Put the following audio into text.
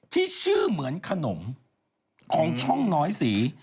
ที่ชื่อเหมือนขนมของช่องน้อยสี